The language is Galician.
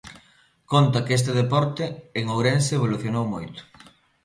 Conta que este deporte, en Ourense evolucionou moito.